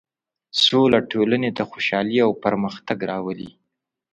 سوله ټولنې ته خوشحالي او پرمختګ راولي.